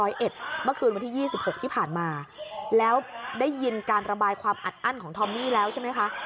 เมื่อคืนวันที่๒๖ที่ผ่านมาแล้วได้ยินการระบายความอัดอั้นของทอมมี่แล้วใช่ไหมคะ